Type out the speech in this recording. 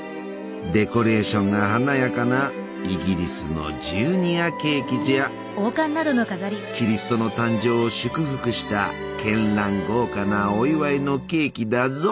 デコレーションが華やかなイギリスのキリストの誕生を祝福したけんらん豪華なお祝いのケーキだぞ！